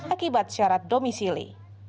akibat syarat domisili